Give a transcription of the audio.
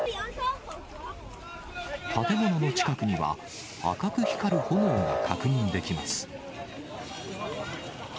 建物の近くには、赤く光る炎が確認できます。